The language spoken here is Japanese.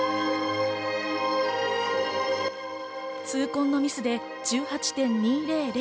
痛恨のミスで１８．２００。